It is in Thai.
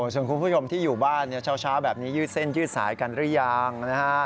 ส่วนคุณผู้ชมที่อยู่บ้านเช้าแบบนี้ยืดเส้นยืดสายกันหรือยังนะฮะ